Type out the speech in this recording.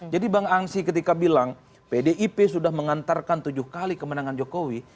jadi bang angsi ketika bilang pdip sudah mengantarkan tujuh kali kemenangan jokowi